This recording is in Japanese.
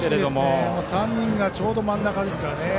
３人がちょうど真ん中ですから。